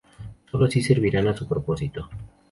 Solo así servirán a su propósito"".